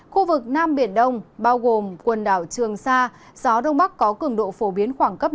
khu vực nam biển đông bao gồm quần đảo trường sa gió đông bắc có cường độ phổ biến khoảng cấp năm